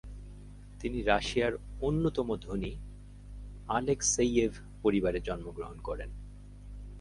তিনি রাশিয়ার অন্যতম ধনী আলেকসেইয়েভ পরিবারে জন্মগ্রহণ করেন।